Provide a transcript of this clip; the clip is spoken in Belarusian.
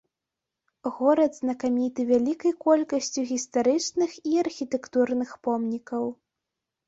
Горад знакаміты вялікай колькасцю гістарычных і архітэктурных помнікаў.